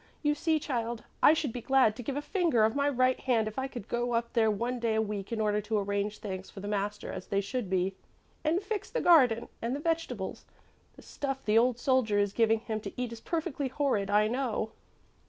"You see, child, I should be glad to give a finger of my right hand if I could go up there one day a week in order to arrange things for the master as they should be and fix the garden and the vegetables. The stuff the old soldier is giving him to eat is perfectly horrid, I know."